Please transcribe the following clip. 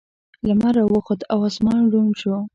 لمر راوخوت او اسمان روڼ شو.